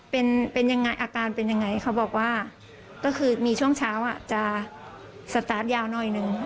เป็นเป็นยังไงอาการเป็นยังไงเขาบอกว่าก็คือมีช่วงเช้าจะสตาร์ทยาวหน่อยหนึ่ง